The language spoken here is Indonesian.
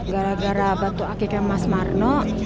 gara gara batu akiknya mas marno